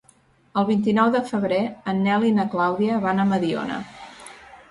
El vint-i-nou de febrer en Nel i na Clàudia van a Mediona.